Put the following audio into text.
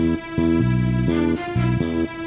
nanti gue nunggu